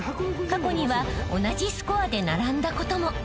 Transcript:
［過去には同じスコアで並んだことも］